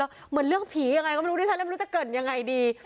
เหมือนเรื่องผียังไงก็ไม่รู้ที่ฉันแล้วไม่รู้จะเกิดยังไงดี